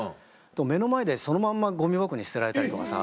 目の前でそのまんまゴミ箱に捨てられたりとかさ。